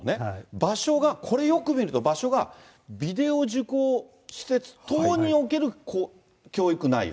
場所が、これよく見ると、場所がビデオ受講施設等における教育内容。